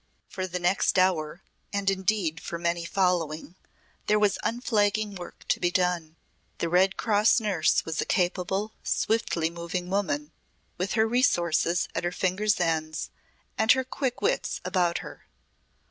For the next hour, and indeed for many following, there was unflagging work to be done. The Red Cross Nurse was a capable, swiftly moving woman, with her resources at her finger's ends, and her quick wits about her.